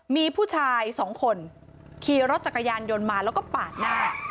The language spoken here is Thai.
มีผู้ชายสองคนขี่รถจักรยานยนต์มาแล้วก็ปาดหน้า